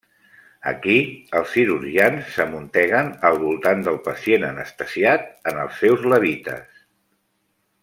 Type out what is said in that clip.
Aquí, els cirurgians s'amunteguen al voltant del pacient anestesiat en els seus levites.